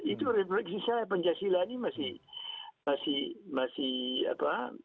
itu refleksi saya pancasila ini masih masih masih apa